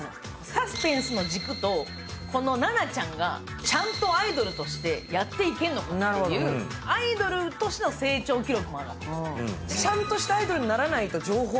サスペンスの軸と、このナナちゃんがちゃんとアイドルとしてやっていけるのかっていうアイドルとしての成長記録もあるわけ。